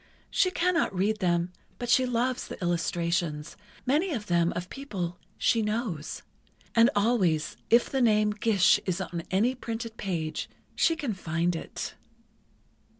She cannot read them, but she loves the illustrations—many of them of people she knows. And always, if the name 'Gish' is on any printed page, she can find it."